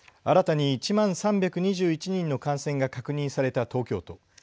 新たに１万３２１人の感染が確認された東京都。